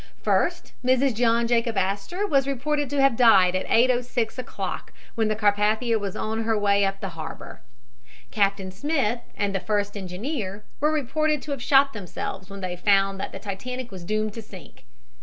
First, Mrs. John Jacob Astor was reported to have died at 8.06 o'clock, when the Carpathia was on her way up the harbor. Captain Smith and the first engineer were reported to have shot themselves when they found that the Titanic was doomed to sink.